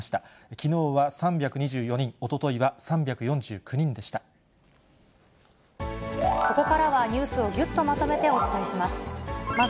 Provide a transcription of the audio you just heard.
きのうは３２４人、おとといはここからは、ニュースをぎゅっとまとめてお伝えします。